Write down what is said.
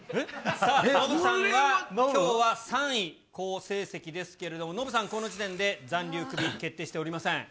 さあ、ノブさんは、きょうは３位、好成績ですけれども、ノブさん、この時点で残留、クビ、決定しておりません。